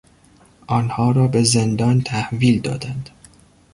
آنها را به زندان تحویل دادند.